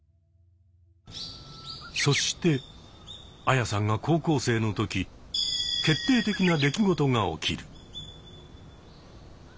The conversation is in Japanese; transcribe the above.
そしてアヤさんが高校生の時決定的な出来事が起きる。